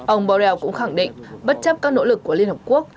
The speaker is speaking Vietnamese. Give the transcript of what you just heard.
ông borrell cũng khẳng định bất chấp các nỗ lực của liên hợp quốc